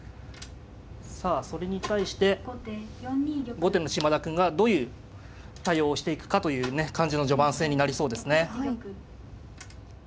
さあそれに対して後手の嶋田くんがどういう対応をしていくかというね感じの序盤戦になりそうですね。